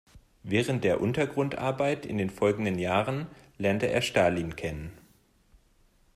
Während der Untergrundarbeit in den folgenden Jahren lernte er Stalin kennen.